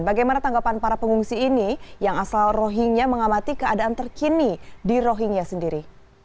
bagaimana tanggapan para pengungsi ini yang asal rohingya mengamati keadaan terkini di rohingya sendiri